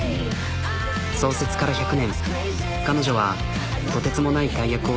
創設から１００年彼女はとてつもない大役を背負っていた。